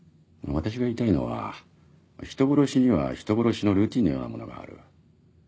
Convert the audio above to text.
私が言いたいのは人殺しには人殺しのルーティンのようなものがある。